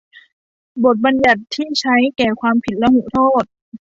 บทบัญญัติที่ใช้แก่ความผิดลหุโทษ